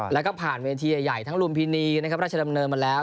และก็ผ่านเวทีใหญ่ทำรุงพินีรัชนำเนอมมาแล้ว